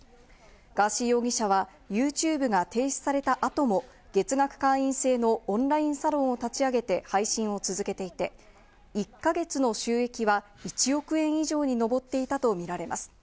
ガーシー容疑者は、ＹｏｕＴｕｂｅが停止された後も月額会員制のオンラインサロンを立ち上げて配信を続けていて、１か月の収益は１億円以上に上っていたと見られます。